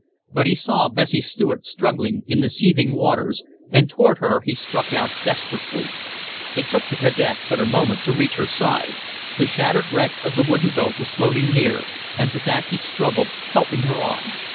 But he saw Bessie Stuart struggling in the seething waters, and toward her he struck out desperately. It took the cadet but a moment to reach her side. The shattered wreck of the wooden boat was floating near, and to that he struggled, helping her on.